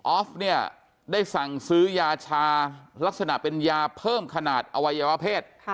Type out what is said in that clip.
ออฟเนี่ยได้สั่งซื้อยาชาลักษณะเป็นยาเพิ่มขนาดอวัยวเพศ